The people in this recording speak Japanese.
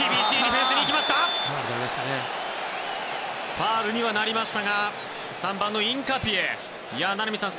ファウルにはなりましたが３番のインカピエ名波さん